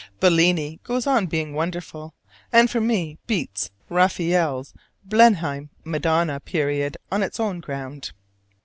Bellini goes on being wonderful, and for me beats Raphael's Blenheim Madonna period on its own ground.